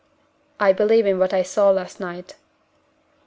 "I believe in what I saw last night."